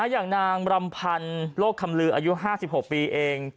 อย่างนางรำพันธ์โลกคำลืออายุ๕๖ปีเอง